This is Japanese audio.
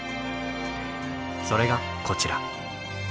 それがこちら。